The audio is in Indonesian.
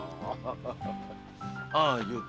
ayo toh jangan manyun begitu